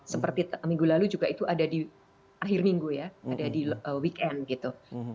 seperti minggu lalu juga itu ada di akhir minggu ya ada di weekend gitu